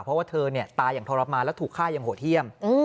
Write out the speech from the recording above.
เพราะว่าเธอตายอย่างทรมานแล้วถูกฆ่าอย่างโหดเยี่ยม